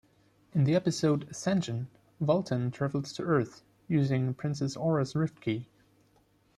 In the episode, "Ascension", Vultan travels to Earth, using Princess Aura's rift key.